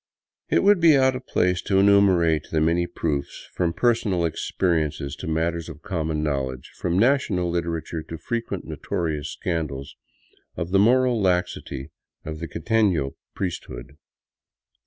It would be out of place to enumerate the many proofs, from per i sonal experiences to matters of common knowledge, from national literature to frequent notorious scandals, of the moral laxity of the quiteno priesthood.